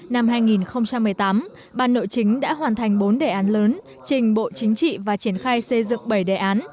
năm hai nghìn một mươi tám ban nội chính đã hoàn thành bốn đề án lớn trình bộ chính trị và triển khai xây dựng bảy đề án